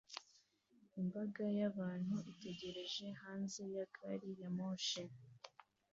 Imbaga y'abantu itegereje hanze ya gari ya moshi